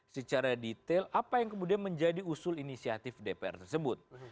secara detail apa yang kemudian menjadi usul inisiatif dpr tersebut